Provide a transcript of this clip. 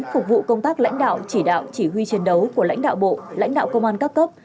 phục vụ công tác lãnh đạo chỉ đạo chỉ huy chiến đấu của lãnh đạo bộ lãnh đạo công an các cấp